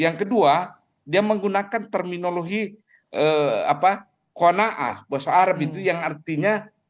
yang kedua dia menggunakan terminologi ⁇ konaah ⁇ bahasa arab itu yang artinya